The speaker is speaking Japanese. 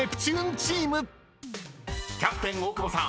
［キャプテン大久保さん］